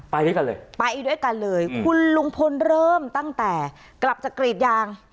ไปด้วยกันเลยไปด้วยกันเลยคุณลุงพลเริ่มตั้งแต่กลับจากกรีดยาง